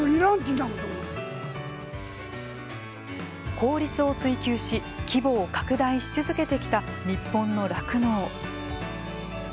効率を追求し、規模を拡大し続けてきた日本の酪農。